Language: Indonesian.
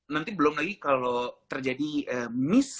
nanti belum lagi kalau terjadi miskomunikasi ya kan